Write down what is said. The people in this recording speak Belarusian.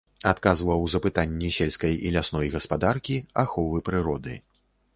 Адказваў за пытанні сельскай і лясной гаспадаркі, аховы прыроды.